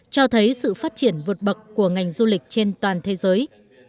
cho thấy sự phát triển vượt bậc của ngành du lịch trên toàn thế giới